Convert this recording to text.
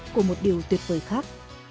của một điều tuyệt vời khác